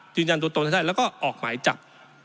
ยืนยันตัวตนให้ได้แล้วก็ออกหมายจับ